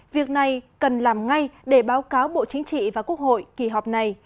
việc này cần làm ngay để báo cáo bộ chính trị và quốc hội kỳ họp này